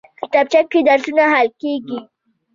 کتابچه کې ستونزې حلېږي